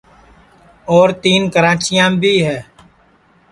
اور تین کراچیام بھی ہے